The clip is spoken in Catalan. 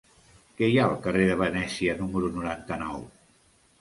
Què hi ha al carrer de Venècia número noranta-nou?